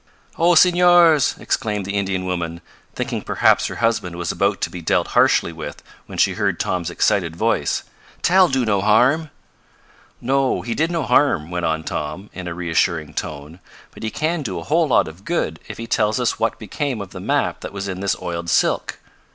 "Oh, Senors!" exclaimed the Indian woman, thinking perhaps her husband was about to be dealt harshly with when she heard Tom's excited voice. "Tal do no harm!" "No, he did no harm," went on Tom, in a reassuring tone. "But he can do a whole lot of good if he tells us what became of the map that was in this oiled silk.